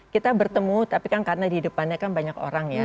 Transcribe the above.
kita bertemu tapi kan karena di depannya kan banyak orang ya